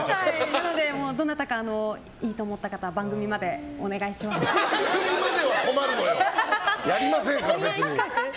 なので、どなたかいいと思った方は番組までは困るのよ。